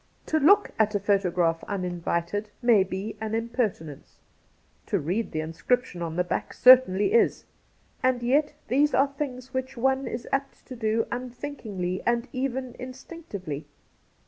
, To look at a photograph uninvited may be an impertinence ; to read the inscription on the back certainly is. And yet these are things which one is apt to do unthinkingly and even instinctively.